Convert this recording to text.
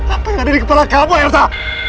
apa yang ada di kepala kamu erta